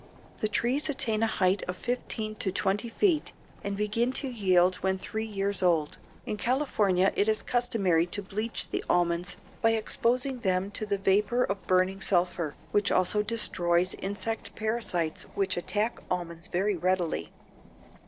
The trees attain a height of fifteen to twenty feet and begin to yield when three years old. In California it is customary to bleach the almonds by exposing them to the vapor of burning sulphur, which also destroys insect parasites which attack almonds very readily.